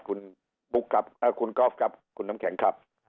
คุณกอล์ฟครับคุณน้ำแข็งครับ